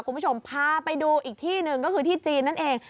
คุณผู้ชมพาไปดูอีกที่หนึ่งก็คือที่จีนนั่นเอง